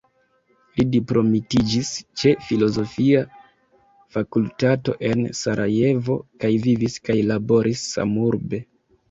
Li diplomitiĝis ĉe filozofia fakultato en Sarajevo kaj vivis kaj laboris samurbe.